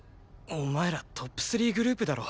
お前らＴＯＰ３グループだろ。